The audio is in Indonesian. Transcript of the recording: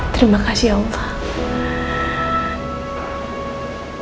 terima kasih karena mas al ojah perhatian sama ku